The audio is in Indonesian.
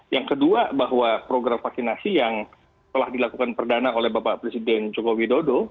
yang kedua bahwa program vaksinasi yang telah dilakukan perdana oleh bapak presiden joko widodo